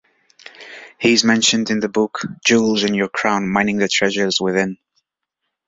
He is mentioned in the book, "Jewels in Your Crown: Mining the Treasures Within".